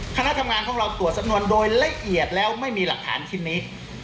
คณะทำงานของเราตรวจสำนวนโดยละเอียดแล้วไม่มีหลักฐานชิ้นนี้